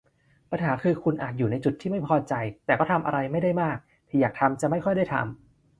ปัญหาคือคุณอาจอยู่ในจุดที่ไม่พอใจ แต่ก็ทำอะไรไม่ได้มาก ที่อยากทำจะไม่ค่อยได้ทำ